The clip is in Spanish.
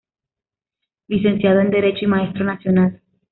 Licenciado en Derecho y Maestro nacional.